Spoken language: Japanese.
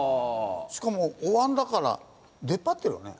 しかもお椀だから出っ張ってるよね。